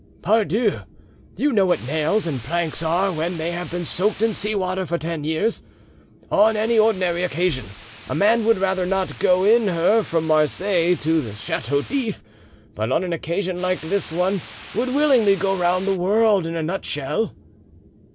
"Pardieu, you know what nails and planks are when they have been soaked in sea water for ten years. On any ordinary occasion, a man would rather not go in her from Marseilles to the Chateau d'If, but on an occasion like this one would willingly go round the world in a nutshell."